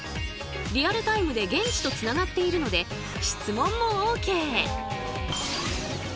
リアルタイムで現地とつながっているので質問もＯＫ！